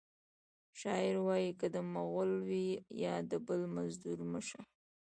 شاعر وایی که د مغل وي یا د بل مزدور مه شه